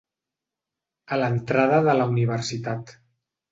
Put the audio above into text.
A l'entrada de la universitat.